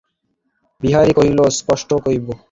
বিহারী কহিল, স্পষ্টই কহিব।